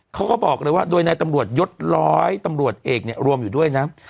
เขาก็บอกเลยว่าโดยนายตำรวจยศร้อยตำรวจเอกเนี่ยรวมอยู่ด้วยนะ